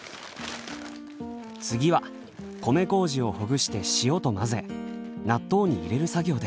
次は米麹をほぐして塩と混ぜ納豆に入れる作業です。